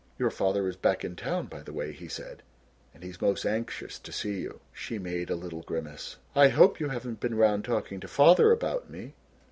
"Your father is back in town, by the way," he said, "and he is most anxious to see you." She made a little grimace. "I hope you haven't been round talking to father about me."